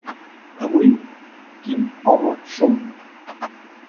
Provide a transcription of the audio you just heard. Avui quin home som?